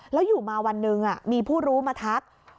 แล้วอยู่มาวันหนึ่งมีผู้รู้มาทัก